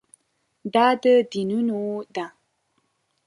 دا د دینونو ده.